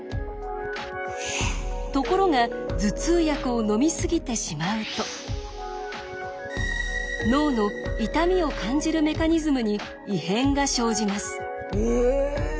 ところが頭痛薬を飲み過ぎてしまうと脳の痛みを感じるメカニズムに異変が生じます。